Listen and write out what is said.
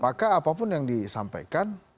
maka apapun yang disampaikan